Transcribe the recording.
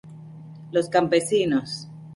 Su principal fuente de producción es la agricultura.